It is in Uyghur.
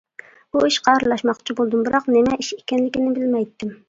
بۇ ئىشقا ئارىلاشماقچى بولدۇم، بىراق نېمە ئىش ئىكەنلىكىنى بىلمەيتتىم.